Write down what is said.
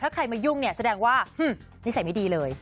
ถ้าใครมายุ่งเนี่ยแสดงว่านิสัยไม่ดีเลย